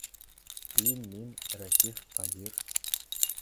Һин, мин, Рәсих, Ҡадир.